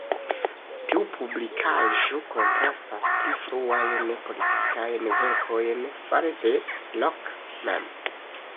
Tiu publikaĵo kontrastas pli fruajn politikajn verkojn fare de Locke mem.